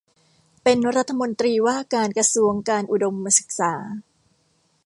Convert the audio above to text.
เป็นรัฐมนตรีว่าการกระทรวงการอุดมศึกษา